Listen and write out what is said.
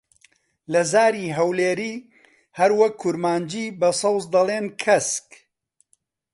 لە زاری هەولێری، هەروەک کورمانجی، بە سەوز دەڵێن کەسک.